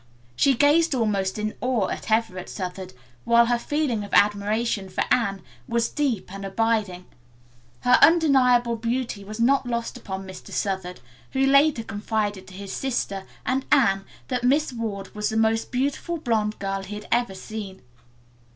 She gazed almost in awe at Everett Southard, while her feeling of admiration for Anne was deep and abiding. Her undeniable beauty was not lost upon Mr. Southard, who later confided to his sister and Anne that Miss Ward was the most beautiful blonde girl he had ever seen.